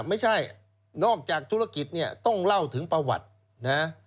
ไม่ใช่นอกจากธุรกิจเนี่ยต้องเล่าถึงประวัตินะ